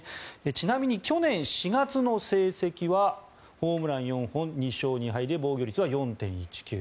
ちなみに去年４月の成績はホームラン４本、２勝２敗で防御率は４．１９。